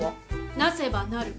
なせばなる。